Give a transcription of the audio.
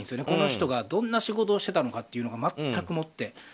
この人がどんな仕事をしてたのかが全くもって。